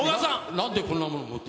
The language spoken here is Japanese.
なんでこんなもの持って。